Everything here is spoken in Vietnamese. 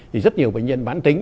thì rất nhiều bệnh nhân bán tính